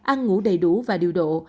ăn ngủ đầy đủ và điều độ